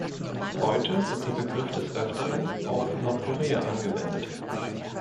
Heute wird der Begriff des Öfteren auf Nordkorea angewendet.